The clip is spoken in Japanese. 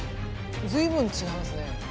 随分違いますね。